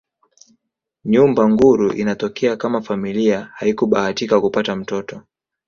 Nyumba nguru inatokea kama familia haikubahatika kupata mtoto